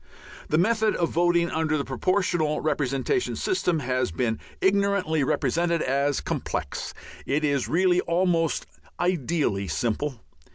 The method of voting under the Proportional Representation system has been ignorantly represented as complex. It is really almost ideally simple.